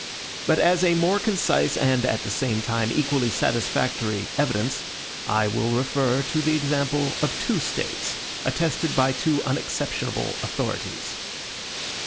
But as a more concise, and at the same time equally satisfactory, evidence, I will refer to the example of two States, attested by two unexceptionable authorities.